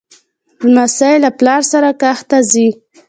لمسی له پلار سره کښت ته ځي.